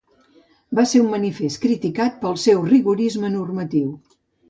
Va ser un manifest criticat pel seu rigorisme normatiu.